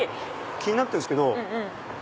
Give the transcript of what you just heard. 気になってるんですけど。